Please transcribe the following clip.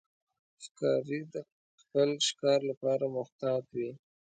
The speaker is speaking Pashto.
ښکاري د خپل ښکار لپاره محتاط وي.